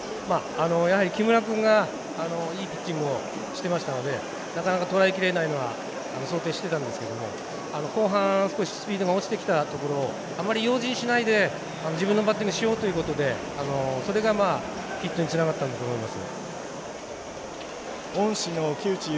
やはり木村君がいいピッチングをしていましたのでなかなかとらえきれないのは想定してたんですけど後半、少しスピードが落ちてきたところあまり用心しないで自分のバッティングをしようということでそれがヒットにつながったんだと思います。